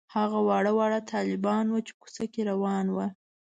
هغه واړه واړه طالبان وو چې کوڅه کې روان وو.